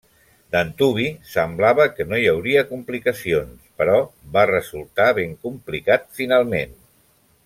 D'antuvi semblava que no hi hauria complicacions, però va resultar ben complicat finalment.